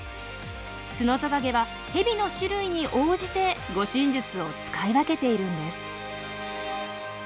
ツノトカゲはヘビの種類に応じて護身術を使い分けているんです。